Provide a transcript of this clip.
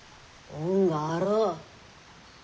恩があろう。